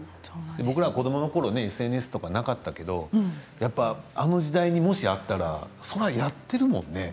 僕らは子どものころＳＮＳがなかったけどあの時代にもしあったらやっているもんね。